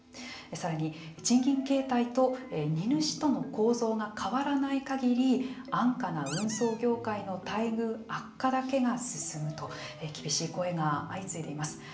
さらに、賃金形態と荷主との構造が変わらないかぎり安価な運送業界の待遇悪化だけが進むと厳しい声が相次いでいます。